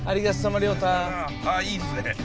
あいいですね。